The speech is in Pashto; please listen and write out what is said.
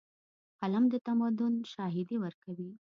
قلم د تمدن شاهدي ورکوي.